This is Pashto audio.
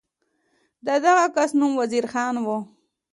د دغه کس نوم وزیر خان و.